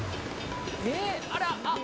あらあっ！